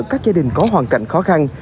các gia đình có hoàn cảnh khó khăn